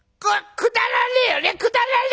くだらねえね！